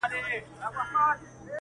• باریکي لري تمام دېوان زما -